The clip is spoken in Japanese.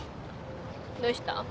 どうした？